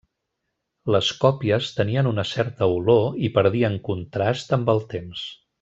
Les còpies tenien una certa olor i perdien contrast amb el temps.